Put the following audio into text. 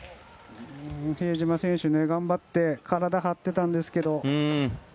比江島選手、頑張って体張っていたんですけど。